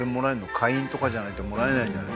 会員とかじゃないともらえないんじゃない？